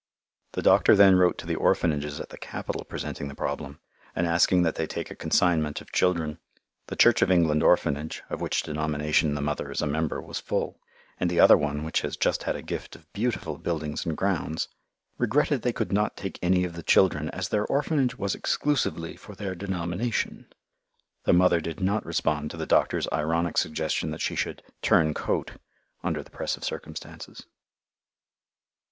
The doctor then wrote to the orphanages at the capital presenting the problem, and asking that they take a consignment of children. The Church of England Orphanage, of which denomination the mother is a member, was full; and the other one, which has just had a gift of beautiful buildings and grounds, "regretted they could not take any of the children, as their orphanage was exclusively for their denomination." The mother did not respond to the doctor's ironic suggestion that she should "turncoat" under the press of circumstances.